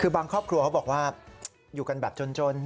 คือบางครอบครัวเขาบอกว่าอยู่กันแบบจน